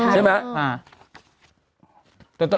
ใช่ใช่มั้ย